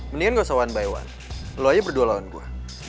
mendingan gak usah one by one lo aja berdua lawan gue